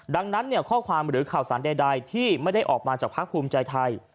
ดังนั้นข้อความหรือข่าวสารใดที่ไม่ได้ออกมาจากภาคภูมิใจไทย